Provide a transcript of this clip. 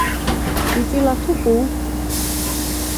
წიწილა თუ კუ?